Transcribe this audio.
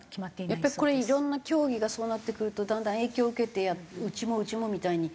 やっぱりこれいろんな競技がそうなってくるとだんだん影響を受けてうちもうちもみたいに。